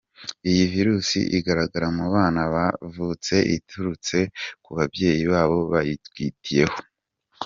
Iyi Virusi igaragara mu bana bavutse iturutse ku babyeyi babo bayitwitiyemo.